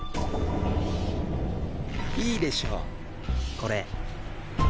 いいでしょこれ。